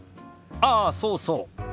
ああそうそう。